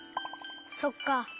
そっか。